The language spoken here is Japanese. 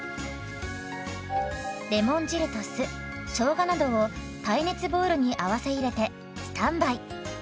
レモン汁と酢しょうがなどを耐熱ボウルに合わせ入れてスタンバイ。